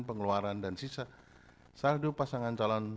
pengeluaran dan sisa saldo pasangan calon